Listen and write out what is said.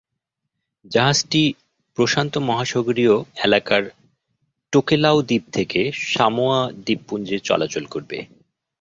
জাহাজটি প্রশান্ত মহাসাগরীয় এলাকার টোকেলাউ দ্বীপ থেকে সামোয়া দ্বীপপুঞ্জে চলাচল করবে।